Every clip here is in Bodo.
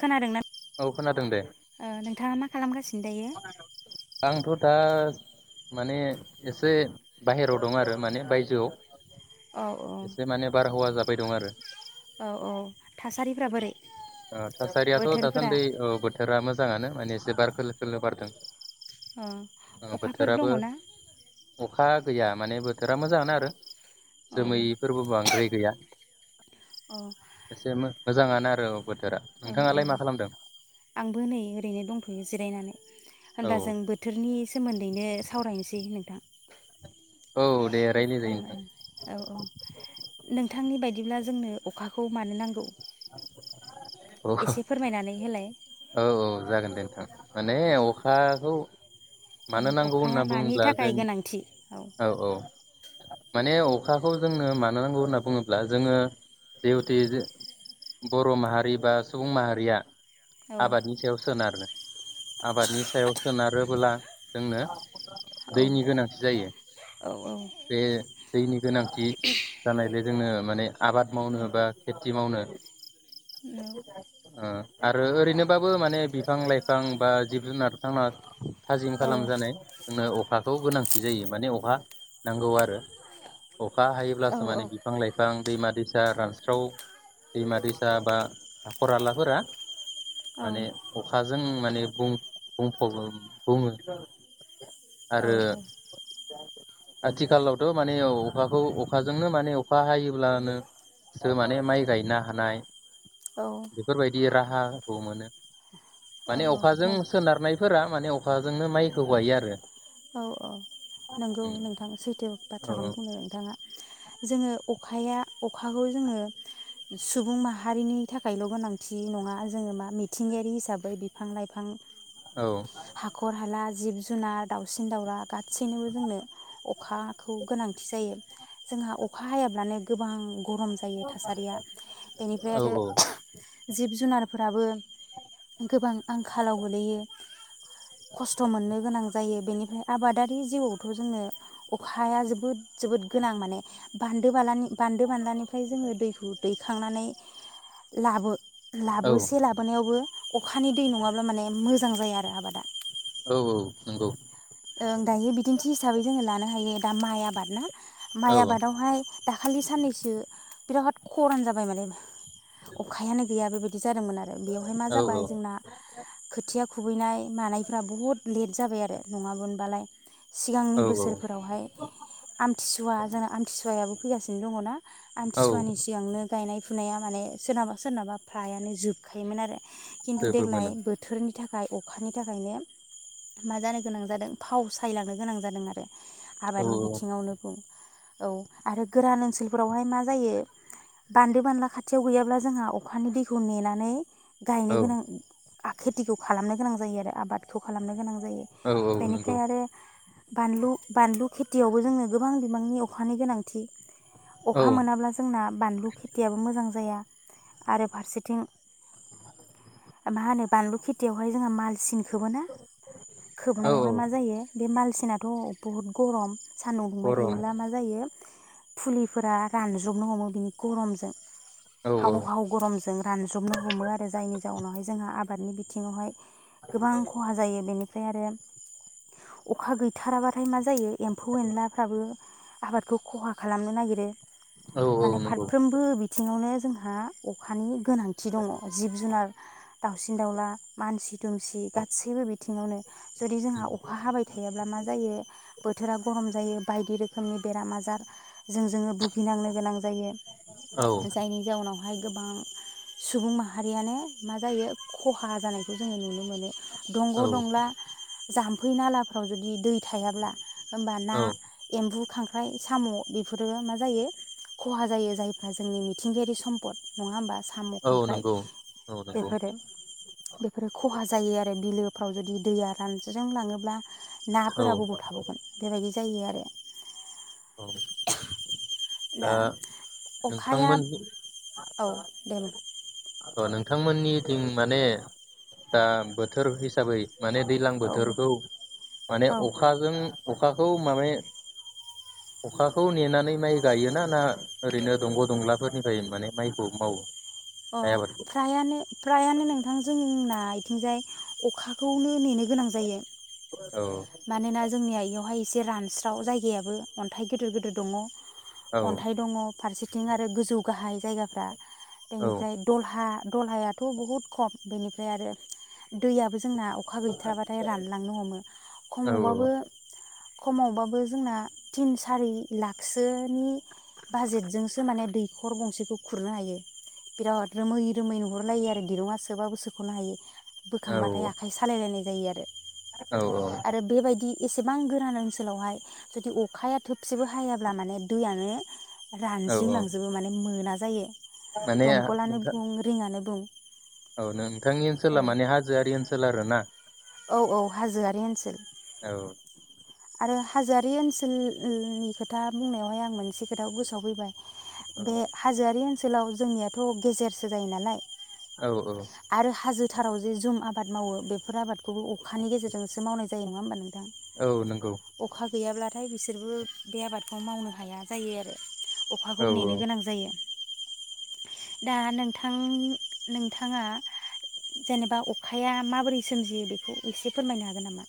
खोनादों ना? औ खोनादों दे ओ नोंथाङा मा खालामगासि दायो। आंथ' दा माने एसे बाहेरायाव दं आरो माने बायजोआव औ औ एसे माने बार हावा जा फै दं आरो। औ औ थासारिफ्रा बोरै ओ थासारियाथ' बोथोरफोरा? दासान्दि बोथोरा मो मोजाङानो माने एसे बार खोलो खोलो बारदों। अ उम अखाफोर बोथोराबो दङना? अखा गैया माने बोथोरा मोजाङानो आरो। अ जोमैफोरबो बांद्राय गैया। अ एसे मो मोजाङानो आरो बो अ अ आंबो नै ओरैनो दंथ'यो जिरा नायनानै औ होनब्ला जों बोथोरनि सोमोनदैनो सावरायनोसै नोंथां। औ दे रायलाय जायो नोंथां ओं-ओं औ-औ नोंथांनि बायदिब्ला। जोंनो अखाखौ मानो नांगौ? एसे फोरमायनानै होलाय। औ-औ जागोन दे नोंथां माने अखाखौ ओं मानो नांगौ अखाया होनना मानि बुङोब्ला थाखाय जों गोनांथि? औ औ-औ माने अखाखौ जोंनो मानो नांगौ होनना बुङोब्ला जोङो जिहुते जो बर' माहारि बा सुबुं माहारिया औ आबादनि सायाव सोनारो आबादनि सायाव सोनारोबोला जोंनो औ दैनि गोनांथि जायो औ बे दैनि गोनांथि जानाय बे जोंनो माने आबाद मावनो बा खेथि मावनो ओ आरो ओरैनोबाबो माने बिफां-लाइफां बा जिब जुनार थांना थाजिम औ खालामजानाय जोंनो अखाखौ गोनांथि जायो माने अखा नांगौ आरो अखा औ हायोब्लासो माने बिफां लाइफां दैमा-दैसा रानस्राव दैमा-दैसा बा हाखर आलाफोरा औ माने अखाजों माने बुं बुंफबो बुङो औ आरो आथिखालावथ' माने औ अखाखौ अखाजोंनो माने अखा हायोब्लानोसो माने माइ गायनो हानाय औ औ बेफोरबायदि रा हा औ [inaudible] मोनो। माने औ अखाजों नों सोनारनायफोरा माने अखाजोंनो मायखौ गायो आरो औ-औ नंगौ नोंथां सैथो बाथ्राखौनो औ बुंदों नोंथाङा। जोङो अखाया अखाखौ जोङो सुबुं माहारिनि थाखायल' गोनांथि नङा जोङो मा मिथिंगायारि हिसाबै बिफां-लाइफां औ हाखर हाला जिब-जुनार दावसिन दाउला गासैनोबो जोंनो अखाखौ गोनांथि जायो जोंहा अखा हायाब्लानो गोबां गरम जायो थासारिया बेनिफ्राय औ आरो जिब जुनारफोराबो गोबां आंखालाव गोलैयो खस्थ' मोननो गोनां जायो बेनिफ्राय आबादारि जिउआवथ' जोनो अखाया जोबोद जोबोद गोनां माने बान्दो बालानि बान बान्दो बान्लानिफ्राय जोङो दैखौ दैखांनानै लाबो औ लाबोसे लाबोनायावबो अखानि दै नङाब्ला माने मो जां जाया आरो आबादा। औ औ नंगौ ओं दायो बिदिन्थि हिसाबै जोङो लानो हायो दा माइ आबाद ना। औ माइ आबादावहाय दाखालि साननैसो बिराद खरान जाबाय माने अखायानो गैया बेबायदि जादोंमोन आरो बेयावहाय मा औ जाबाय जोंना खोथिया खुबैनाय मानायफ्रा बहुद लेट जाबाय आरो नङामोनबालाय औ सिगांनि बोसोरफोरावहाय आमथिसुवा जोंना आमथिसुवाया फैगासिनो दङ ना? औ आमथिसुवानि सिगांनो गायनाय फुनाया माने सोरनाबा सोरनाबा फ्रायानो जोबखायोमोन आरो खिन्थु जोबो देग्लाय मोनो बोथोरनि थाखाय अखानि थाखायनो मा जादों गोनां जादों फाव सायलांनो गोनां जादों आरो औ आबादनि बिथिङावनो बुं औ आरो गोरान ओनसोलफोरावहाय मा जायो बान्दो बानला खाथियाव गैयाब्ला जोंहा अखानि दैखौ नेनानै गायनो औ गोनां खेथिखौ खालामनो गोनां जायो आरो आबादखौ खालामनो गोनां जायो। औ औ नंगौ बेनिफ्राय आरो बानलु बानलु खेथियावबो जोंनो गोबां बिबांनि अखानि गोनांथि औ अखा मोनाब्ला जोंना बानलु खेथियाबो मोजां जाया। आरो फारसेथिं मा होनो बानलु खेथियावहाय जोङो मालसिन खौबो ना औ औ खोबनायावहाय मा जायो बे माल सिनाथ' बहुद गरम सान्दुं दुंबाय गरम थायोब्ला मा जायो फुलिफोरा रानज्रबनो हमो बिनि गरमजों औ हाव हाव गरमजों रानज्रबनो हमो आरो जायनि जाउनावहाय जोंहा आबादनि बिथिङावहाय गोबां खहा जायो बेनि फ्राय आरो अखा गैथाराबा ओमफ्राय मा जायो एम्फौ एनलाफ्राबो आबादखौ खहा खालामनो नागिरो। औ औ माने नंगौ फारफ्रोमबो बिथि ङावनो जोंहा अखानि गोनांथि दङ जिब जुनार दाउसिन दाउला मानसि दुमसि गासैबो बिथिङावनो जुदि जोंहा उम, अखा हाबाय थायाब्ला मा जायो बोथोरा गरम जायो बायदि रोखोमनि बेराम आजार जों जोङो भुगिनांनो गोनां जायो औ जायनि जाउनाव बेहाय गोबां सुबुं माहारियानो मा जायो खहा जानायखौ जोङो नुनो मोनो। दंग' औ दंला जाम्फै नाला फ्राव जुदि दै थायाब्ला होनबा औ ना एम्बु खांख्राइ फाय साम' बेफोरो मा जायो खहा जायो जायफ्रा जोंनि मिथिंगायारि सम्पद नङा होमबा। साम' औ खांख्राइ नंगौ औ नंगौ बेफोरो बेफोरो खहा जायो आरो बिलो फाव जुदि दैया रानज्रिं लाङोब्ला औ नाफोरा बबाव थाबावगोन बेबायदि जायो आरो। औ दा अखाया नोंथांमोन औ [unintelligible] अ नोंथांमोननिथिं माने दा बोथोर हिसाबै माने दैलां औ बोथोरखौ औ माने औ अखाजों अखाखौ मा [unintelligible] अखाखौ नेनानै माइ गायोना ना ओरैनो दंग' दंलाफोरनिफ्राय माने माइखौ मावो। अ माइ आबादखौ फ्रायानो फ्रायानो नोंथां जोंना बिथिंजाय अखाखौनो नेनो गोनां जायो। औ मानोना जोंनि आ इयावहाय एसे रानस्राव जायगायाबो। अन्थाइ गिदिर गिदिर दङ। औ अन्थाइ दङ फारसेथिं आरो गोजौ गाहाय। जायगाफ्रा। औ बेनिफ्राय दलहा दलहायाथ' बहुद खम बेनिफ्राय आरो दैयाबो जोंना अखा गैथाराबाथाय रानलांनो हमो। औ खमावबाबो खमावबाबो जोंना तिन सारि लाखसोनि बाजेटजोंसो माने दैखर गंसेखौ खुरनो हायो बिराद रोमै रोमै नुहरलायो आरो दिरुंङा सोबाबो सोख'नो हायै। बोखांबाथाय आखाइ सालायलायनाय जायो आरो। औ आरो बेबायदि एसेबां गोरान ओनसोलावहाय जुदि अखाया थोबसेबो हायाब्ला माने दैयानो औ औ रानज्रिंलांजोबो माने मोना। जायो। माने दमखलानो नोंथां बुं रिङानो बुं औ नों। बिथांनि औ ओनोला मानि होआरि ओनसोल। सोल आरोना। औ औ हाजोआरि ओनसोल। औ नो हाजोआरि ओनसोलनि खोथा बुंनायावहाय आं मोनसे खोथा गोसोआव फैबाय। औ बे हाजोआरि ओन सोलाव जोंनियाथ' गेजेरसो जायो नालाय। औ औ। थाराव जे जुम आबाद मावो बेफोर आबाद खौ अखानि गेजेरजोंसो मावनाय जायो नङा होमबा नों थां? नोंगौ। गैयाब्लाथाय बिसोरबो बे आबादखौ मावनो हाया जायो आरो। औ अखाखौ नेनो औ गोनां जायो। दा नोंथां नोंथाङा जेनेबा अखाया माबोरै सोमजियो बेखौ एसे फोरमायनो हागोन नामा?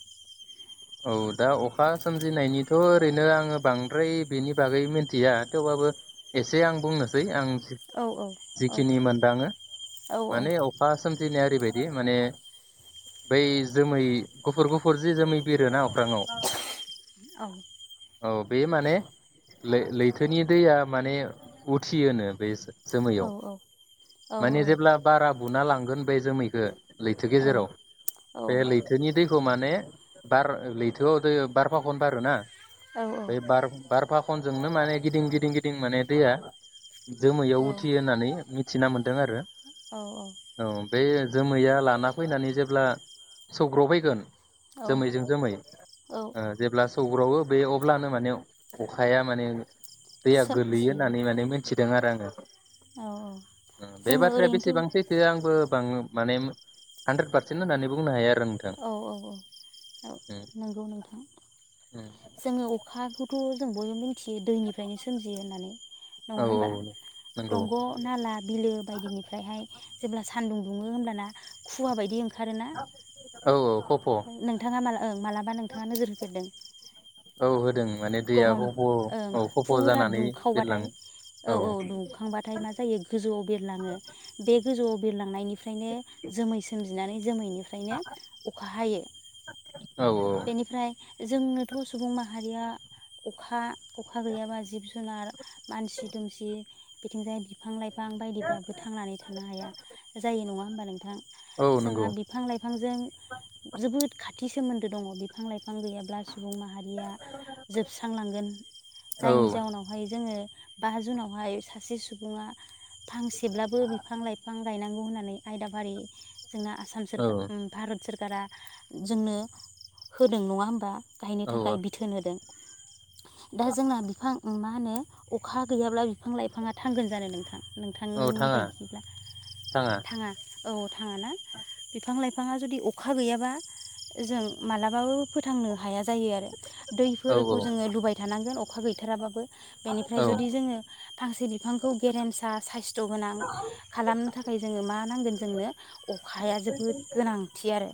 औ दा अखा सोमजिनायनिथ ओरैनो आङो बांद्राय बेनि बागै मिन्थिया थेवबाबो एसे आं बुंनोसै आं औ औ औ जिखिनि मोनदाङो औ माने अखा सम सोमजिनाया ओरैबायदि माने बै जोमै गुफुर गुफुर जि जोमै बिरोना अख्राङाव औ। अ बे माने लै-लैथोनि दैया माने उथियो नो बे औ जोमैयाव औ माने जेब्ला बारा बुना लाङो होनबाय जोमैखो लैथो गेजेराव बे लैथोनि दैखौ माने [unintelligible] बार लैथोआव दै बार फाखन बारोना बै बार बार फाख फनजोंनो माने गिदिं गिदिं गिदिं माने दैया जोमैयाव औ उथियो होननानै मि थिना मोन दों आरो, औ। बे जोमैया लाना फैनानै जेब्ला सौग्रावफैगोन औ जोमैजों जोमै औ ओ जेब्ला सौग्रावो बे अब्लानो माने अखाया माने दैया गोलैयो सोमजियो होननानै माने मिथि दों आरो आङो। औ ओ बे जोङो बाथ्राया ओरैनोथ' बेसेबां औ सैथो आंबो बां माने हानद्रेद फारसेन होननानै बुंनो हाया। आरो नोंथां औ औ औ। औ उम नंगौ नोंथां उम जोङो अखाखौथ' [unintelligible] जों बयबो मि थियो दैनिफ्रायनो सोमजियो होननानै नङा औ होमबा औ नंगौ दंग' नाला बिलो बायदिनिफ्रायहाय जेब्ला सानदुं दुङो होमब्लाना खुवा बायदि ओंखारोना औ औ। खफ' नोंथाङा माला ओ मालाबा नोंथाङा नोजोर होफेरदों? औ होदों। माने दैया गरम खफ' ओं औ खफ' फुरा जानानै दुंखावबाथाय बिरलाङो औ औ दुंखांबाथाय मा जायो गोजौआव बिरलाङो बे गोजौआव बिरलांनायनि फ्रायनो जोमै सोमजि नानै जोमैनिफ्रायनो अखा हायो। औ बेनिफ्राय- जोंनोथ' सुबुं माहारिया अखा अखा गैयाबा जिब-जुनार, मानसि-दुमसि। बिथिंजाय बिफां-लाइफां बायदिफ्राबो थांनानै थानो हाया जायो नङा होमबा नोंथां औ नंगौ जोंहा बिफां लाइफांजों जोबोद खा थिं सोमो दों दङ बिफां-लाइफां गैयाब्ला सुबुं माहारिया जोबस्रांलांगोन औ जायनि जाउनावहाय जोङो बा जुनावहाय सासे सुबुङा फांसेब्लाबो बिफां-लाइफां गायनांगौ होननानै आयदाफारि जोंना आसाम सोरकार औ ओम भारत सोरकारा जोंनो। होदों नङा होमबा! गाहायनि औ थाखाय बिथोन होदों दा जोंना बिफां ओं मा मा होनो अखा गैयाब्ला बिफां लाइ। फाङा थांगोन जानो नोंथां औ नोंथांनि थाङा बायदिब्ला थाङा। औ थाङा ना बिफां लाइफाङा जुदि अखा गैयाबा जों मालाबाबो फोथांनो हाया जायो आरो। औ दैफोरखौ जोङो लुबाय थानांगोन अखा गैथाराबाबो बेनिफ्राय औ जुदि जोङो फांसे बिफांखौ गेरेमसा साइस्थ' गोनां खालामनो थाखाय जोङो मा नांगोन जोंनो अखाया जोबोद गोनांथि आरो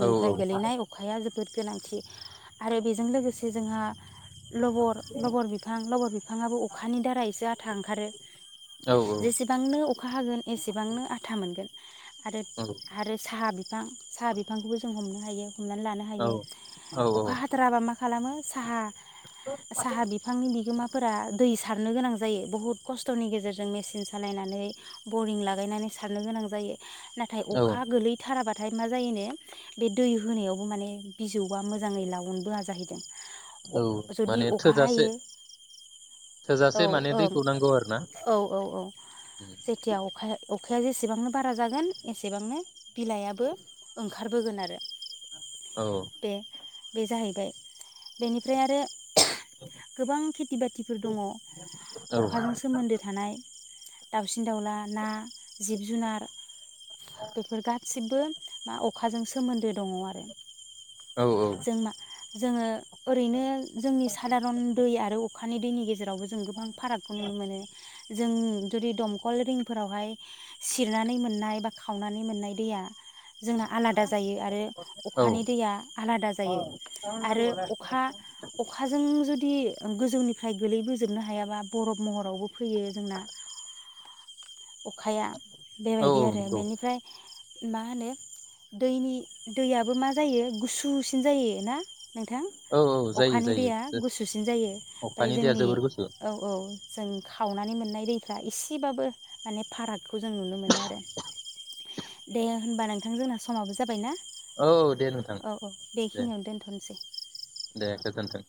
औ गोलैनाय अख अखाया जोबोद गोनांथि आरो बेजों लोगोसे जोंहा लबर लबर बिफां लबर बिफाङाबो अखानि दारसो आथा ओंखारो औ जेसेबांनो अखा हागोन एसेबांनो आथा मोनगोन आरो आरो साहा बि बिफां साहा बिफांखौबो जों हमनो हायो। हमनानै लानो हायो औ अखा हाथाराबा मा खालामो साहा। साहा बिफांनि बिगोमा फोर दै सारनो गोनां जायो बुहुद खस्थ'नि गेजेरजों मेसिन सालायनानै बरिं लागायनानै सारनो गोनां जायो। नाथाय औ अखा गोलैथाराबा नाथाय मा जायोन बे दै होनायाव बेबो माने बिजौया मोजाङै लावनबोआ जाहैदों। औ जुदि माने अखा थोजासे हायो थोजासे औ माने ओं दैखौ नांगौ आरो ना औ औ औ उम। जेथिया अखाया अखाया जेसेबांनो बारा जागोन एसेबांनो बिलाइाबो ओं खारबोगोन आरो। औ। बे बे जाहैबाय बेनिफ्राय आरो गोबां खेथि बाथिफोर दङ औ अखाजों सोमोन्दो थानाय। दाउसिन दाउला ना जिब जुनार बेफोर गाद सिब्बो मा अखाजों सोमोन्दो दङ आरो। [inaudible] औ औ। जों मा जोङो ओरैनो जोंनि सादारन दै आरो अखानि दैनि गेजे जेरावबो जों गोबां फारागखौ नुनो मोनो। जों जुदि दमखल रिंफोरावहाय सिरनानै मोननाय बा खावनानै मोननाय दैया जोंना आलादा जायो। औ अखानि दैया आलादा जायो आरो अखा अखाजों जुदि गोजौनिफ्राय गोलैबोजोबनो हायाबा बरफ महरावबो फैयो जोंना। अखाया औ बेबायदि आरो नंगौ बेनिफ्राय मा होनो दैनि दैयाबो मा जायो गुसुसिन जायो ना। नोंथां औ औ जायो अखानि जायो दैया गुसुसिन जायो ओमफ्राय अखानि दैया जोंनि जोबोर गुसु औ औ। जों खावनानै मोननाय दैफ्रा इसेबाबो माने फाराग खौ जों नुनो मोनो आरो दे होनबा नोंथां जोंना समाबो जाबाय ना। औ दे नोंथां दे दोनथ'नोसै दे गोजोनथों।